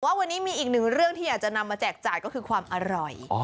ว่าวันนี้มีอีกหนึ่งเรื่องที่อยากจะนำมาแจกจ่ายก็คือความอร่อย